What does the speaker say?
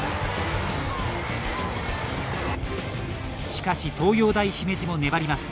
しかし東洋大姫路も粘ります。